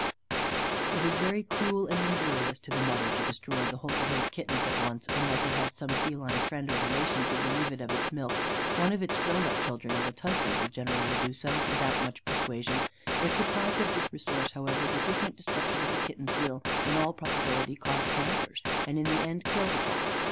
It is very cruel and injurious to the mother to destroy the whole litter of kittens at once, unless it has some feline friend or relation to relieve it of its milk: one of its grown up children, or its husband, will generally do so, without much persuasion. If deprived of this resource, however, the frequent destruction of the kittens will, in all probability, cause cancers, and in the end kill the Cat.